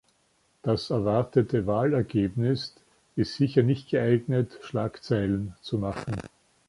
Das erwartete Wahlergebnis ist sicher nicht geeignet, Schlagzeilen zu machen.